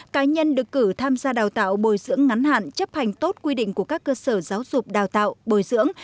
cá nhân được cử tham gia đào tạo bồi dưỡng ngắn hạn chấp hành tốt quy định của các cơ sở giáo dục đào tạo bồi dưỡng